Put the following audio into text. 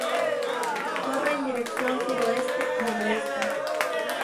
Corre en dirección suroeste-noreste.